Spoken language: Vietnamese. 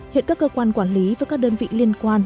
hiện các cơ quan quản lý và các đơn vị liên quan